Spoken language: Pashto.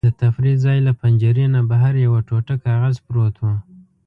د تفریح ځای له پنجرې نه بهر یو ټوټه کاغذ پروت و.